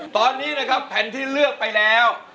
ตอนนี้นะครับแผ่นที่เลือกไปแล้ว